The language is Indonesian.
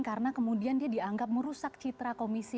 karena kemudian dia dianggap merusak citra komisi